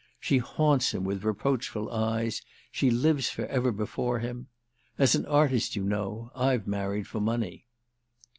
She haunts him with reproachful eyes, she lives for ever before him. As an artist, you know, I've married for money."